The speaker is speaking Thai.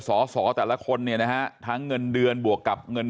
สอสอแต่ละคนเนี่ยนะฮะทั้งเงินเดือนบวกกับเงิน